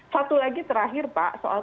satu lagi terakhir pak soal